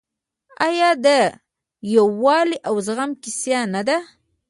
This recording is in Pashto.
آیا د یووالي او زغم کیسه نه ده؟